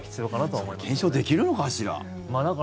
それ検証できるのかしら。